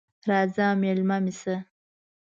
راځه مېلمه مې سه!